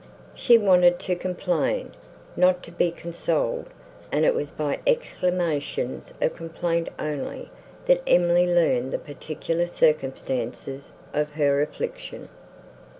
She wanted to complain, not to be consoled; and it was by exclamations of complaint only, that Emily learned the particular circumstances of her affliction.